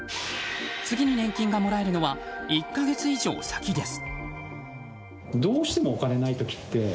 次に年金がもらえるのは１か月以上先です。